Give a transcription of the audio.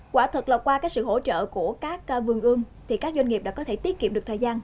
quả thật là qua sự hỗ trợ của các vườn ươm thì các doanh nghiệp đã có thể tiết kiệm được thời gian